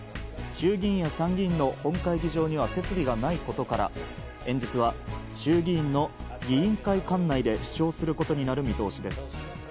衆議院や参議院の本会議場には設備がないことから演説は衆議院の議員会館内で視聴することになる見通しです。